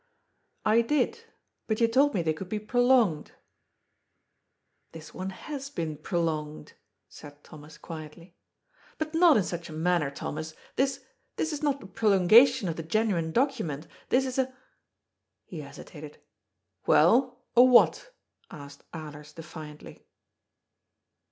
" I did. But you told me they could be prolonged." " This one has been prolonged," said Thomas quietly. " But not in such a manner, Thomas. This — this is not a prolongation of the genuine document. This is a " He hesitated. " Well, a what ?" asked Alers defiantly.